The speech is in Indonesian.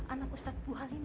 anak ustadz bu halimah